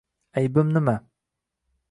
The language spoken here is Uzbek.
Aybim nima?